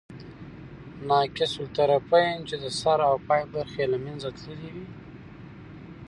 ناقص الطرفین، چي د سر او پای برخي ئې له منځه تللي يي.